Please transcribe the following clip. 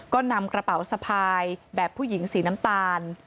ก็นำกระเป๋าสะพายแบบผู้หญิงสีน้ำตาล